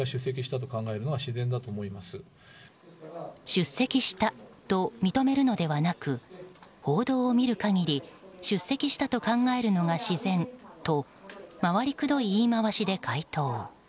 出席したと認めるのではなく報道を見る限り出席したと考えるのが自然と回りくどい言い回しで回答。